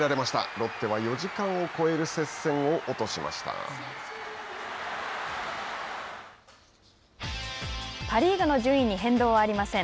ロッテは４時間を超える接戦をパ・リーグの順位に変動はありません。